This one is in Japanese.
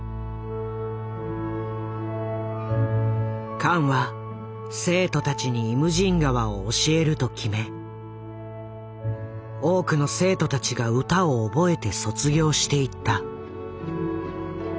カンは生徒たちに「イムジン河」を教えると決め多くの生徒たちが歌を覚えて卒業していった。